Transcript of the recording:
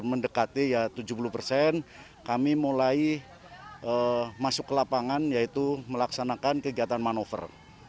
mendekati tujuh puluh persen kami mulai masuk ke lapangan yaitu melaksanakan kegiatan manover